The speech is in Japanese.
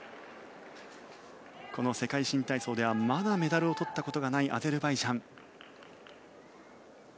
この世界新体操ではまだメダルを取ったことがないアゼルバイジャン。